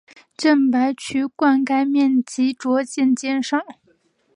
郑白渠灌溉面积逐渐减少。